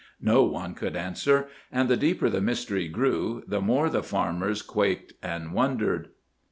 No one could answer, and the deeper the mystery grew, the more the farmers quaked and wondered.